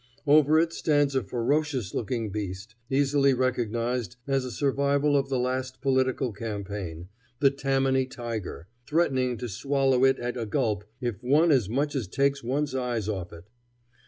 Over it stands a ferocious looking beast, easily recognized as a survival of the last political campaign, the Tammany tiger, threatening to swallow it at a gulp if one as much as takes one's eyes off it.